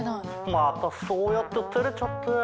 またそうやっててれちゃって。